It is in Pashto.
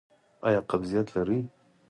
ایا قبضیت لرئ؟